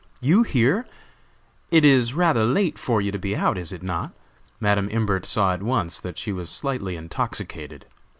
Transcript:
you here? It is rather late for you to be out, is it not?" Madam Imbert saw at once that she was slightly intoxicated.